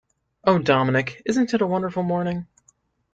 Oh, Dominic, isn’t it a wonderful morning?